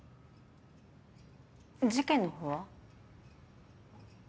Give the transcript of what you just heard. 事件のほうは？